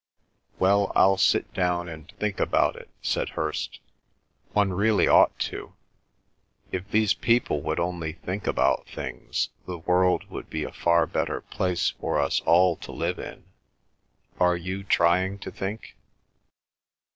"Well, I'll sit down and think about it," said Hirst. "One really ought to. If these people would only think about things, the world would be a far better place for us all to live in. Are you trying to think?"